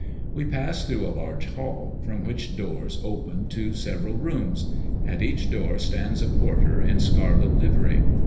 We pass through a large hall, from which doors open to several rooms; at each door stands a porter in scarlet livery.